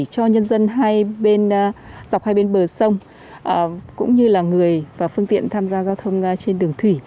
cho nhân dân hai bên dọc hai bên bờ sông cũng như là người và phương tiện tham gia giao thông trên đường thủy